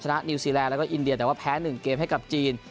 นิวซีแลนดแล้วก็อินเดียแต่ว่าแพ้๑เกมให้กับจีน